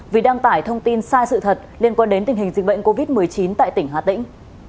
vì đăng tải thông tin sai sự thật liên quan đến tình hình dịch bệnh covid một mươi chín tại tỉnh hà tĩnh